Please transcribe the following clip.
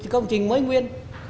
công trình mới nguyên